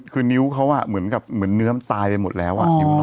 คือนิ้วเขาเหมือนเนื้อมตายไปหมดแล้ว